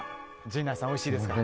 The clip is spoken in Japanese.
陣内さん、おいしいですか？